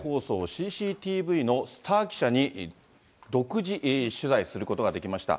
ＣＣＴＶのスター記者に独自取材することができました。